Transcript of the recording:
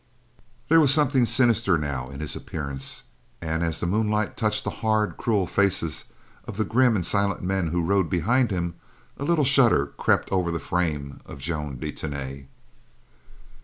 There was something sinister now in his appearance, and as the moonlight touched the hard, cruel faces of the grim and silent men who rode behind him, a little shudder crept over the frame of Joan de Tany.